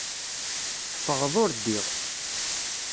Teffɣeḍ ur ddiɣ.